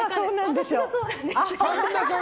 私もそうなんです。